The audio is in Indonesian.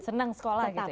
senang sekolah gitu ya